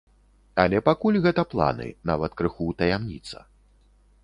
Але пакуль гэта планы, нават крыху таямніца.